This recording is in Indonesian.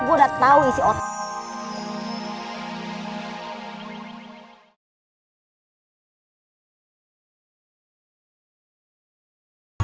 gue udah tau isi opsi